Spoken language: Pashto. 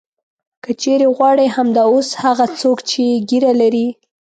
که چېرې غواړې همدا اوس هغه څوک چې ږیره لري.